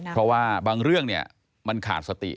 เพราะว่าบางเรื่องเนี่ยมันขาดสติ